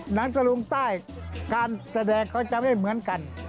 หนังสลุงใต้การแสดงก็จะไม่เหมือนกัน